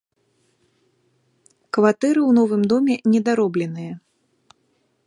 Кватэры ў новым доме недаробленыя.